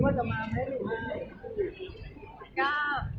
เวลาแรกพี่เห็นแวว